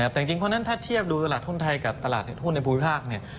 แต่จริงคนนั้นถ้าเทียบดูตลาดหุ้นไทยกับตลาดหุ้นในภูมิภาคเนี่ย